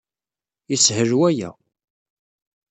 Yeshel waya.